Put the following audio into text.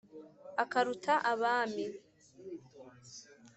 Akaruta Abami